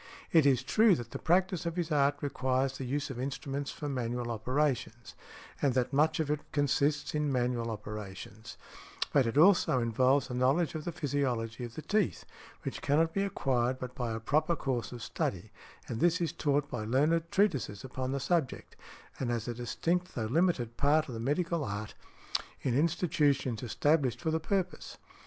It is true that the practice of his art requires the use of instruments for manual operations, and that much of it consists in manual operations; but it also involves a knowledge of the physiology of the teeth, which cannot be acquired but by a proper course of study, and this is taught by learned treatises upon the subject, and as a distinct though limited part of the medical art, in institutions established for the purpose.